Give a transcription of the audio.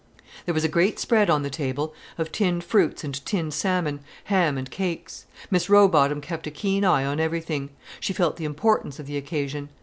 There was a great spread on the table, of tinned fruits and tinned salmon, ham and cakes. Miss Rowbotham kept a keen eye on everything: she felt the importance of the occasion.